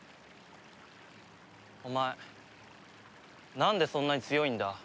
お前なんでそんなに強いんだ？